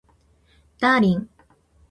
ダーリン